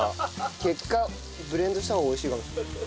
結果ブレンドした方が美味しいかも。